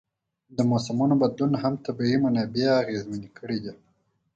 د موسمونو بدلون هم طبیعي منابع اغېزمنې کړي دي.